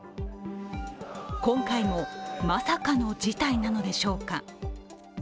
今回もまさかの事態なのでしょうか。